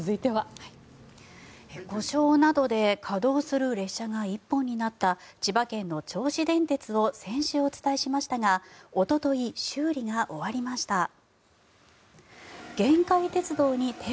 故障などで稼働する車両が１本になった千葉県の銚子電鉄を先週お伝えしましたがおととい、修理が終わりました。